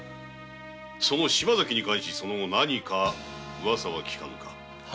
その島崎に関しその後何かウワサは聞かぬか？